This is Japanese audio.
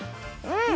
うん。